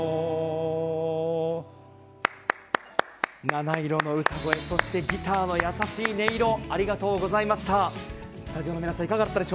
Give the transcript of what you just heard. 七色の歌声、そしてギターの優しい音色、ありがとうございました。